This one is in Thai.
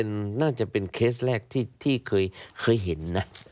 น่าจะเป็นเคสแรกที่เคยเห็นนะ